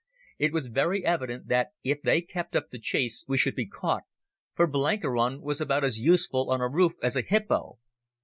It was very evident that if they kept up the chase we should be caught, for Blenkiron was about as useful on a roof as a hippo.